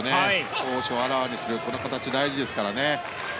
闘志をあらわにする形大事ですからね。